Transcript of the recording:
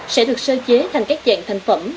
sẽ được sơ chế thành các dạng thành phẩm